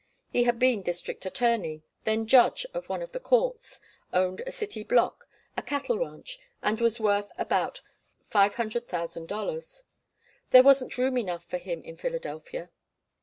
He had been District Attorney, then judge of one of the courts, owned a city block, a cattle ranch, and was worth about $500,000. There wasn't room enough for him in Philadelphia.